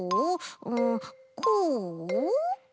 うんこう？